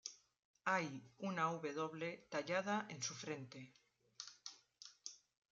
Hay una "W" tallada en su frente.